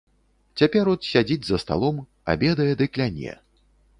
Цяпер от сядзіць за сталом, абедае ды кляне.